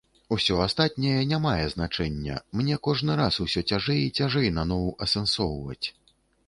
Усё астатняе не мае значэння, мне кожны раз усё цяжэй і цяжэй наноў асэнсоўваць.